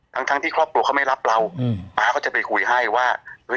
ทั้งที่ครอบตัวเขาไม่รับเราป๊าเขาจะไปคุยให้ว่า